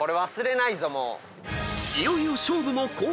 ［いよいよ勝負も後半戦］